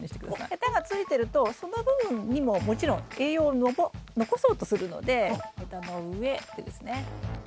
ヘタがついてるとその部分にももちろん栄養を残そうとするのでヘタの上でですね。